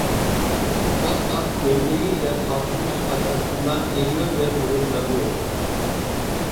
Fatma gömleğiyle kalkmış, arkasından geliyor ve mırıldanıyordu: